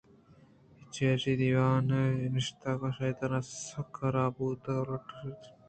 کہ چریشی ءَ دیوان ءِ نشتگینانی شیطان سکّ حراب بُوت ءُ آ لٹّ شاپ کنان کُت ءُ گلّینت